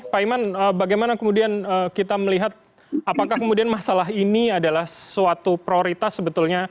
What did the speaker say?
pak iman bagaimana kemudian kita melihat apakah kemudian masalah ini adalah suatu prioritas sebetulnya